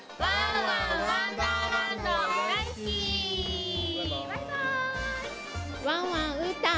ワンワンうーたん。